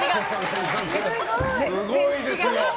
すごいですよ。